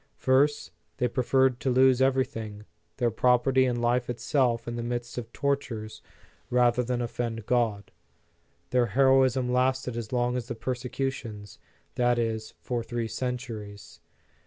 First, they preferred to lose everything, their property and life itself in the midst of tortures, rather than offend God. Their hero ism lasted as long as the persecutions, that is, for three centuries.